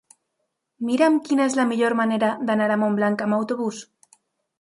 Mira'm quina és la millor manera d'anar a Montblanc amb autobús.